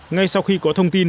ngay sau khi có thông tin